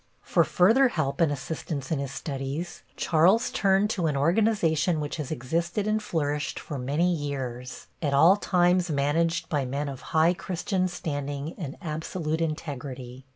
For further help and assistance in his studies, Charles turned to an organization which has existed and flourished for many years, at all times managed by men of high Christian standing and absolute integrity.